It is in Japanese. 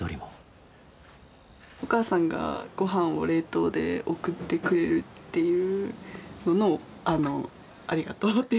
お母さんが御飯を冷凍で送ってくれるっていうのの「ありがとう」っていう。